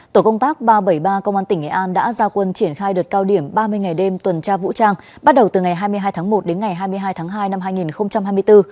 tổ công tác ba trăm bảy mươi ba công an tỉnh nghệ an đã ra quân triển khai đợt cao điểm ba mươi ngày đêm tuần tra vũ trang bắt đầu từ ngày hai mươi hai tháng một đến ngày hai mươi hai tháng hai năm hai nghìn hai mươi bốn